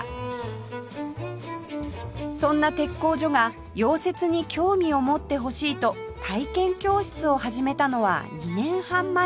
そんな鉄工所が溶接に興味を持ってほしいと体験教室を始めたのは２年半前の事